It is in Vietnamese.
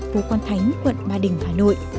hồ quang thánh quận ba đình hà nội